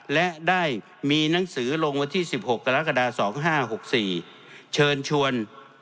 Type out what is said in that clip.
และได้มีหนังสือลงที่๑๖กรกฎาคม๒๕๖๔